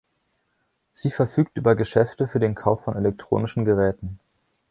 Sie verfügt über Geschäfte für den Kauf von elektronischen Geräten.